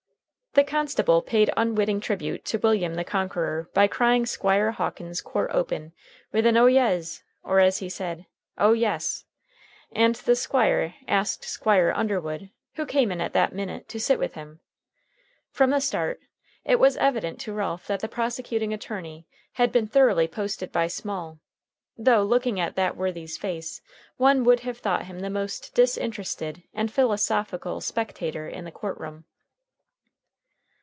The constable paid unwitting tribute to William the Conquerer by crying Squire Hawkins's court open with an Oyez! or, as he said, "O yes!" and the Squire asked Squire Underwood, who came in at that minute, to sit with him. From the start, it was evident to Ralph that the prosecuting attorney had been thoroughly posted by Small, though, looking at that worthy's face, one would have thought him the most disinterested and philosophical spectator in the court room.